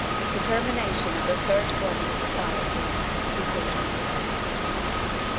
% 3. Determination of the third form of Society. Conclusion.